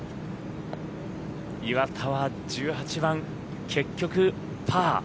岩田は１８番、結局パー。